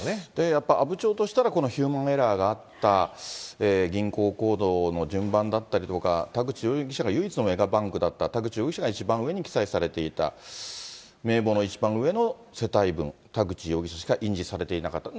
やっぱり阿武町としたら、このヒューマンエラーがあった銀行コードの順番だったりとか、田口容疑者が唯一のメガバンクだった、田口容疑者が一番上に記載されていた、名簿の一番上の世帯分、田口容疑者しか印字されていなかった。